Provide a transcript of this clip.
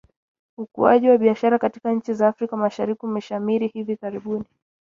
Ukuaji wa Biashara katika nchi za Afrika mashariki umeshamiri hivi karibuni.